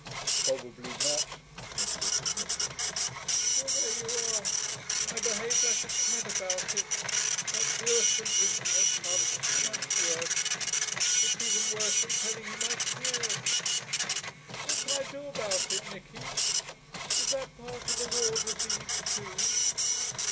'Probably not,' Nicholas admitted. 'Well, there you are; I behaved like a cad about it. That's worse than drinking at pubs much worse. It's even worse than telling him I cared.... What can I do about it, Nicky? Is that part of the war disease too?'